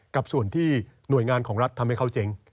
กับส่วนที่หน่วยงานของรัฐทำให้เขาเจ๊ง